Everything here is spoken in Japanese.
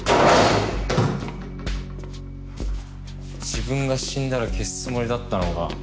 自分が死んだら消すつもりだったのか。